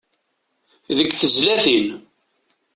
Deg tezlatin.